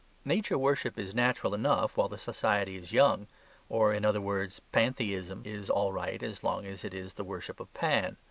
Nature worship is natural enough while the society is young, or, in other words, Pantheism is all right as long as it is the worship of Pan.